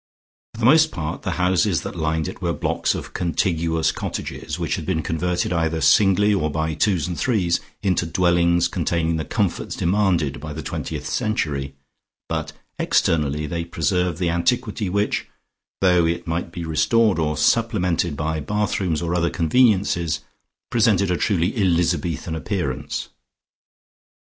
For the most part the houses that lined it were blocks of contiguous cottages, which had been converted either singly or by twos and threes into dwellings containing the comforts demanded by the twentieth century, but externally they preserved the antiquity which, though it might be restored or supplemented by bathrooms or other conveniences, presented a truly Elizabethan appearance.